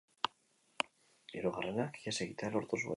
Hirugarrenak ihes egitea lortu zuen.